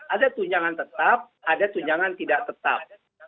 ada tunjangan tetap ada tunjangan tidak tetap